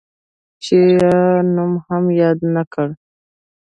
چا نوم هم یاد نه کړ.